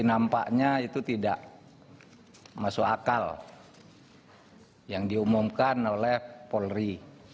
nampaknya itu tidak masuk akal yang diumumkan oleh polri